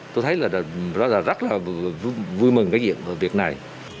tôi thấy là rất là vui mừng cái việc này